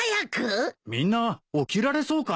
みんな起きられそうかい？